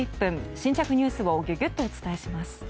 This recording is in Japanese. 新着ニュースをギュギュッとお伝えします。